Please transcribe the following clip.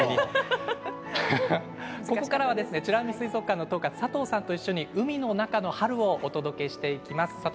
ここからは美ら海水族館の統括佐藤さんと一緒に海の中の春をお届けしていきます。